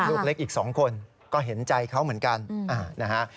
ลูกเล็กอีก๒คนก็เห็นใจเขาเหมือนกันนะฮะ